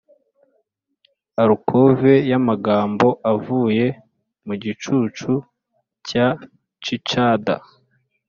alcove yamagambo avuye mu gicucu cya cicada,